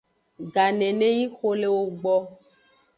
Ganeneyi xo le ewo gbo.